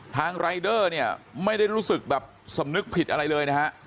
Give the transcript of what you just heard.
รายเดอร์เนี่ยไม่ได้รู้สึกแบบสำนึกผิดอะไรเลยนะฮะ